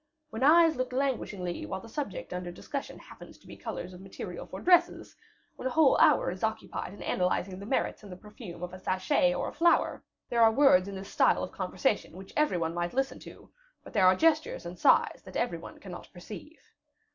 When eyes look languishingly while the subject under discussion happens to be colors of materials for dresses; when a whole hour is occupied in analyzing the merits and the perfume of a sachet or a flower; there are words in this style of conversation which every one might listen to, but there are gestures and sighs that every one cannot perceive.